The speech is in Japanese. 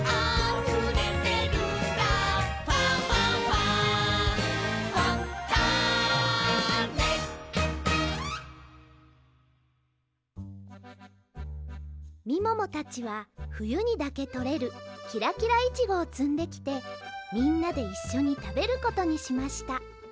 「ファンファンファン」みももたちはふゆにだけとれるキラキライチゴをつんできてみんなでいっしょにたべることにしました